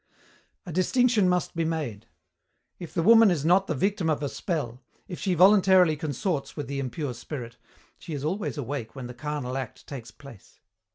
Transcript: "A distinction must be made. If the woman is not the victim of a spell, if she voluntarily consorts with the impure spirit, she is always awake when the carnal act takes place.